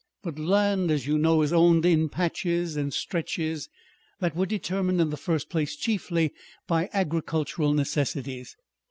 But land as you know is owned in patches and stretches that were determined in the first place chiefly by agricultural necessities.